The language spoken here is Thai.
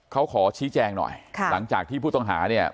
เขาขอชี้แจงหน่อยค่ะหลังจากที่ผู้ต้องหาเนี่ย